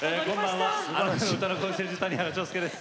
あなたの歌のコンシェルジュ谷原章介です。